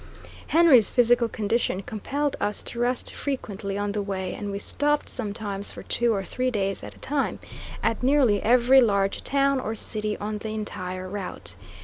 Henry's physical condition compelled us to rest frequently on the way, and we stopped sometimes for two or three days at a time, at nearly every large town or city on the entire route.